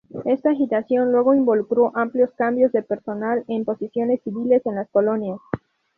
Esta agitación luego involucró amplios cambios de personal en posiciones civiles en las colonias.